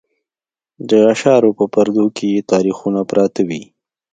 د اشعارو په پردو کې یې تاریخونه پراته وي.